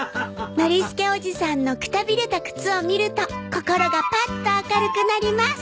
ノリスケおじさんのくたびれた靴を見ると心がパッと明るくなります